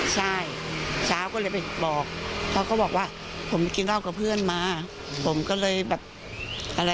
ใช่เช้าก็เลยไปบอกเขาก็บอกว่าผมกินเหล้ากับเพื่อนมาผมก็เลยแบบอะไร